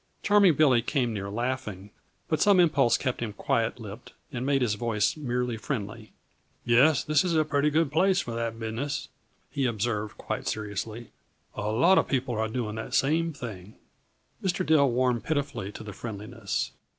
Charming Billy came near laughing, but some impulse kept him quiet lipped and made his voice merely friendly. "Yes this is a pretty good place for that business," he observed quite seriously. "A lot uh people are doing that same thing." Mr. Dill warmed pitifully to the friendliness.